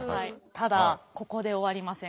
ただここで終わりません。